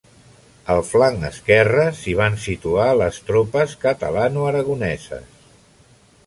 Al flanc esquerre, s'hi van situar les tropes catalanoaragoneses.